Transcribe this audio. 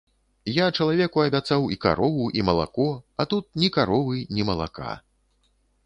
Я чалавеку абяцаў і карову, і малако, а тут ні каровы, ні малака.